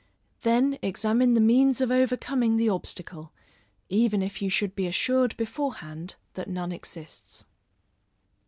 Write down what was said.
Then examine the means of overcoming the obstacle, even if you should be assured beforehand that none exists.